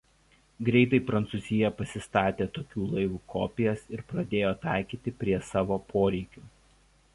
Greitai Prancūzija pasistatė tokių laivų kopijas ir pradėjo taikyti prie savo poreikių.